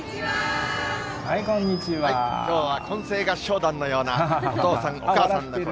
きょうは混声合唱団のような、お父さん、お母さんの声。